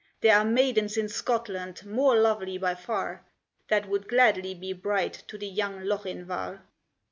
There are maidens in Scotland more lovely by far, That would gladly be bride to the young Lochinvar!"